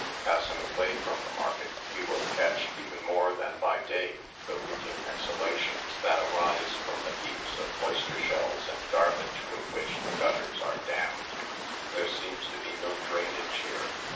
Passing away from the market, you will catch, even more than by day, the reeking exhalations that arise from the heaps of oyster shells and garbage with which the gutters are dammed. There seems to be no drainage here.